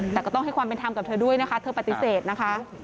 แต่ก็ต้องให้ความเป็นธรรมกับเธอด้วยนะคะเธอปฏิเสธนะคะ